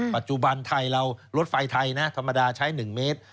ปัจจุบันไทยเรารถไฟไทยนะธรรมดาใช้๑เมตร